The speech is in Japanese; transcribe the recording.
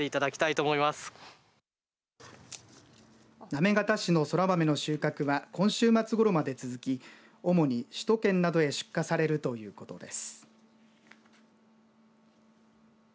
行方市のそら豆の収穫は今週末ごろまで続き主に首都圏などへ出荷されるということです。